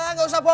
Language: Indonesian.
nggak usah pur